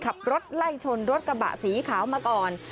ขับรถไล่ชนรถกระบะสีขาวมาก่อน